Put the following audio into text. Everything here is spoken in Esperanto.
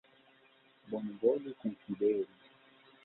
Bonvolu konsideri.